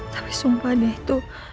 tapi sumpah deh itu